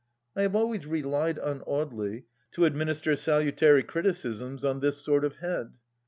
I have always relied on Audely to administer salutary criticisms on this sort of head.